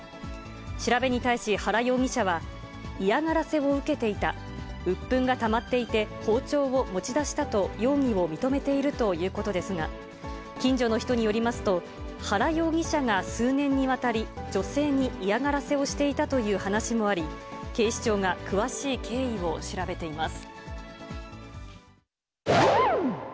調べに対し原容疑者は、嫌がらせを受けていた、うっぷんがたまっていて、包丁を持ち出したと、容疑を認めているということですが、近所の人によりますと、原容疑者が数年にわたり、女性に嫌がらせをしていたという話もあり、警視庁が詳しい経緯を調べています。